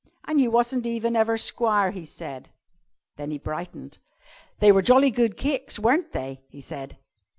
"An' you wasn't even ever squire," he said. Then he brightened. "They were jolly good cakes, wasn't they?" he said.